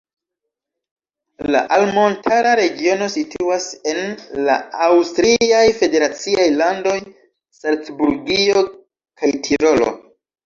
La altmontara regiono situas en la aŭstriaj federaciaj landoj Salcburgio kaj Tirolo.